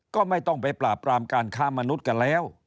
ก็ไม่ต้องไปปราบปรามการค้ามนุษย์กันแล้ว